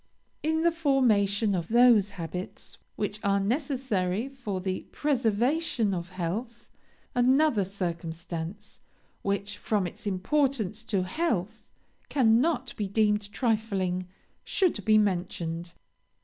"In the formation of those habits which are necessary for the preservation of health, another circumstance, which, from its importance to health, cannot be deemed trifling should be mentioned.